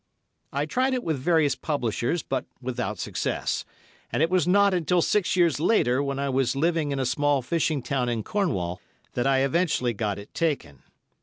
I tried it with various publishers, but without success, and it was not until six years later, when I was living in a small fishing town in Cornwall, that I eventually got it taken.